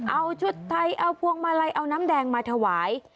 เอาชุดไทยเอาพวงมาลัยเอาน้ำแดงมาถวาย